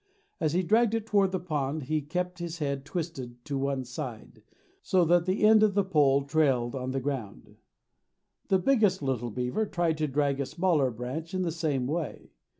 As he dragged it toward the pond he kept his head twisted to one side, so that the end of the pole trailed on the ground. The biggest little beaver tried to drag a smaller branch in the same way.